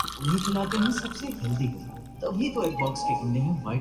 انکشاف ہوا کہ نمک مرچ تو راستے سے خریدنا ہی بھول گئے ہیں